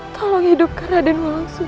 tolong hidupkan raden langsung ya allah